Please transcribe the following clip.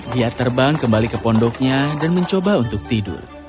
dia terbang kembali ke pondoknya dan mencoba untuk tidur